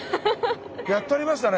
やっとありましたね！